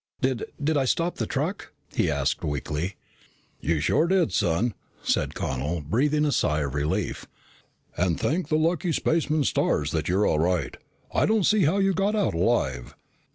"Did I did I stop the truck?" he asked weakly. "You sure did, son!" said Connel, breathing a sigh of relief. "And thank the lucky spaceman's stars that you're all right. I don't see how you got out alive."